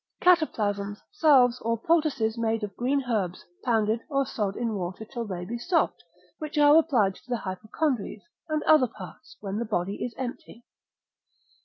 Cataplasms, salves, or poultices made of green herbs, pounded, or sod in water till they be soft, which are applied to the hypochondries, and other parts, when the body is empty.